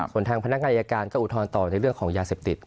ส่วนทางพนักงานอายการก็อุทธรณ์ต่อในเรื่องของยาเสพติด